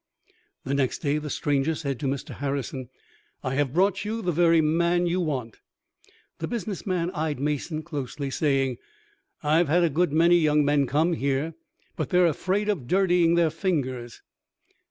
The next day the stranger said to Mr. Harrison, "I have brought you the very man you want." The business man eyed Mason closely, saying, "I've had a good many young men come here; but they are afraid of dirtying their fingers."